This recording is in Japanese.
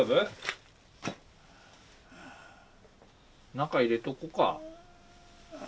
中入れとこか。